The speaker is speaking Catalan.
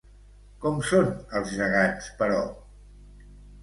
Com són els gegants, però?